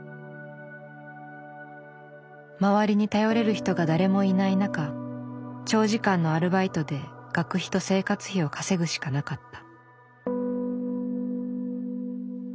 周りに頼れる人が誰もいない中長時間のアルバイトで学費と生活費を稼ぐしかなかった。